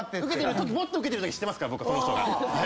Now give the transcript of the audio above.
もっとウケてるとき知ってますから僕その人が。